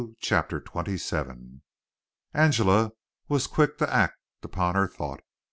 CHAPTER XXVII Angela was quick to act upon her thought.